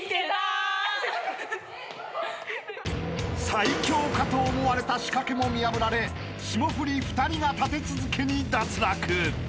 ［最強かと思われた仕掛けも見破られ霜降り２人が立て続けに脱落］